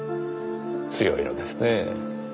強いのですねぇ。